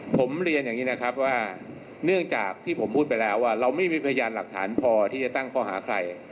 ผมเรียนอย่างนี้นะครับว่าเนื่องจากที่ผมพูดไปแล้วว่าเราไม่มีพยานหลักฐานพอที่จะตั้งข้อหาใคร